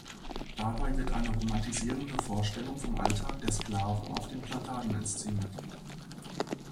Dabei wird eine romantisierende Vorstellung vom Alltag der Sklaven auf den Plantagen inszeniert.